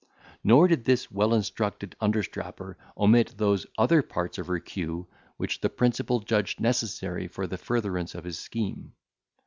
Nor did this well instructed understrapper omit those other parts of her cue which the principal judged necessary for the furtherance of his scheme.